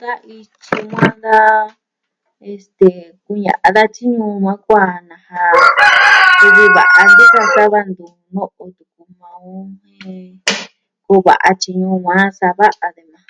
Da ityi yukuan da... este kune'ya da tyiji ñuu maa kuaan nasa kuvi va'a nti'in ka sa va ntu no'o maa on, ɨjɨn, koo va'a tyiji ñuu yukuan sa va va'a.